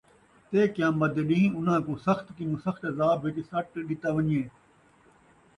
تے قیامت دے ݙین٘ہ اُنہاں کوں سخت کنوں سخت عذاب وِچ سَٹ ݙِتا وَن٘ڄے،